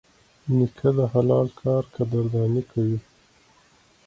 نیکه د حلال کار قدرداني کوي.